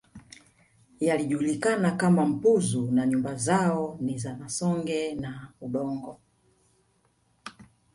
Yaliyojulikana kama mpuzu na nyumba zao ni za Msonge na udongo